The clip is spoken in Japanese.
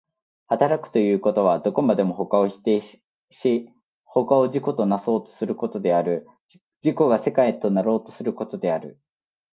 働くということは、どこまでも他を否定し他を自己となそうとすることである、自己が世界となろうとすることである。